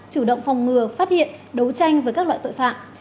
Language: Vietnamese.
chủ động phòng ngừa phát hiện đấu tranh với các loại tội phạm